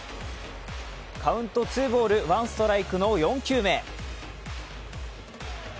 カウントツーボールワンストライクの４球目。